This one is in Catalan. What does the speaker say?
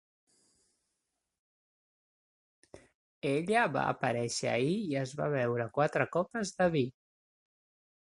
Ella va aparèixer ahir i es va beure quatre copes de vi!